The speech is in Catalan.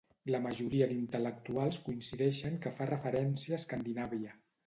La majoria d'intel·lectuals coincideixen que fa referència a Escandinàvia.